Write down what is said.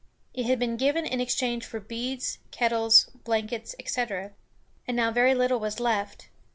It had been given in exchange for beads, kettles, blankets, etc., and now very little was left.